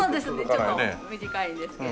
ちょっと短いですけれども。